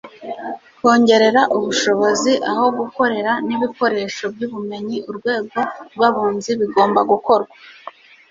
Kongerera ubushobozi aho gukorera n’ ibikoresho n’ubumenyi urwego rw abunzi bigomba gukorwa